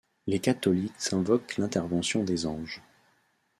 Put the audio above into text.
Les catholiques invoquent l’intervention des anges.